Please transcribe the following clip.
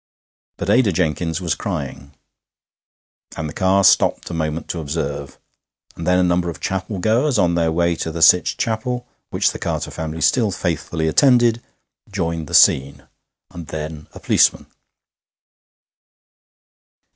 But Ada Jenkins was crying. And the car stopped a moment to observe. And then a number of chapel goers on their way to the Sytch Chapel, which the Carter family still faithfully attended, joined the scene; and then a policeman.